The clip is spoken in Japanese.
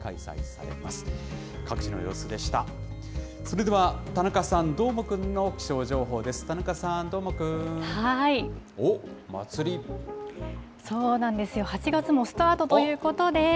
それでは田中さん、どーもくんの気象情報です。